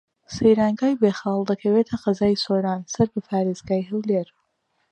سەیرانگەی بێخاڵ دەکەوێتە قەزای سۆران سەر بە پارێزگای هەولێر.